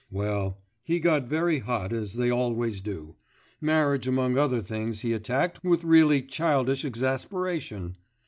Well, he got very hot, as they always do. Marriage among other things he attacked with really childish exasperation.